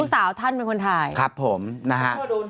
สาวท่านเป็นคนถ่ายครับผมนะฮะ